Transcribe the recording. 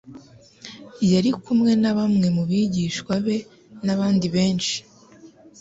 Yari kumwe na bamwe mu bigishwa be n'abandi benshi,